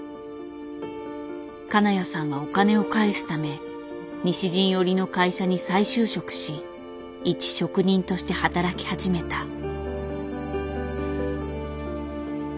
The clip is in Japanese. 金谷さんはお金を返すため西陣織の会社に再就職しいち職人として働き始めた。